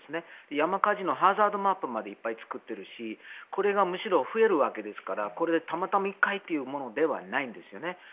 山火事のハザードマップまでいっぱい作っているしこれがむしろ増えるわけですからたまたま１回というものではないんですよね。